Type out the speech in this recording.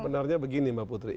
sebenarnya begini mbak putri